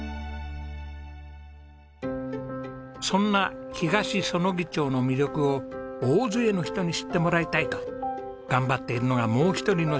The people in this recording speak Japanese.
そんな東彼杵町の魅力を大勢の人に知ってもらいたいと頑張っているのがもう一人の主人公。